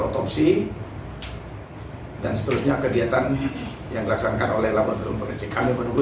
kami menunggu secara tertulis nanti baru kami informasikan